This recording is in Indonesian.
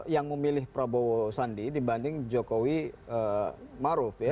yang memilih prabowo sandi dibanding jokowi maruf ya